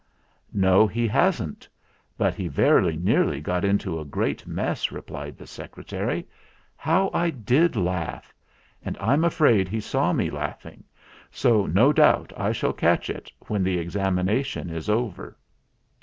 "No, he hasn't; but he very nearly got into a great mess," replied the Secretary. "How I did laugh ! And I'm afraid he saw me laugh ing, so no doubt I shall catch it when the ex amination is over."